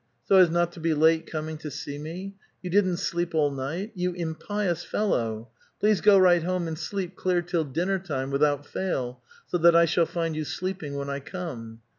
So as not to be late coming to see me? You didn't sleep all night? You impious fellow ! Please go right home and sleep clear till dinner time without fail ; so that I shall find you sleeping when I come."